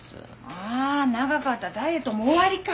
あ長かったダイエットも終わりか。